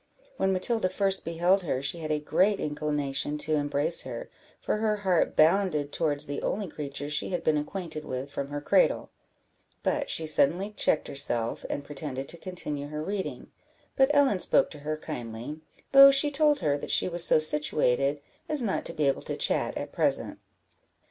When Matilda first beheld her she had a great inclination to embrace her, for her heart bounded towards the only creature she had been acquainted with from her cradle; but she suddenly checked herself, and pretended to continue her reading; but Ellen spoke to her kindly, though she told her that she was so situated, as not to be able to chat at present.